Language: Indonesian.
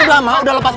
udah mak udah lepas